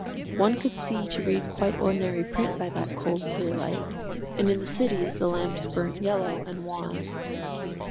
One could see to read quite ordinary print by that cold clear light, and in the cities the lamps burnt yellow and wan.